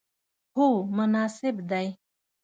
هو، مناسب دی